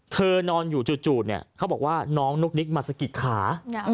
เธอนอนอยู่จุดเขาบอกว่าน้องนุ๊กนิ๊กมาสะกิดขา